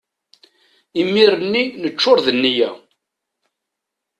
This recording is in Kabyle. Imir-nni neččur d nneyya.